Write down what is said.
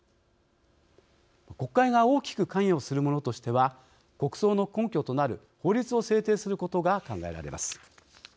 国会が大きく関与するものとしては国葬の根拠となる法律を制定することが考えられます。